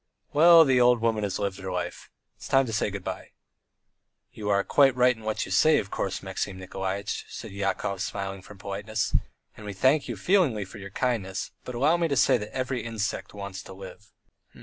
"Well, the old woman has lived her life, it's time to say good bye." "You are quite right in what you say, of course, Maxim Nikolaitch," said Yakov, smiling from politeness, "and we thank you feelingly for your kindness, but allow me to say every insect wants to live."